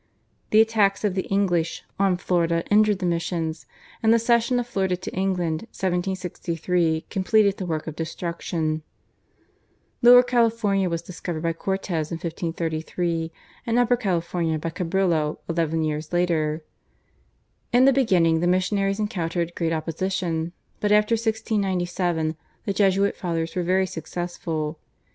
The attacks of the English on Florida injured the missions, and the cession of Florida to England (1763) completed the work of destruction. Lower California was discovered by Cortez in 1533, and Upper California by Cabrillo eleven years later. In the beginning the missionaries encountered great opposition, but after 1697 the Jesuit Fathers were very successful.